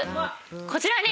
こちらに。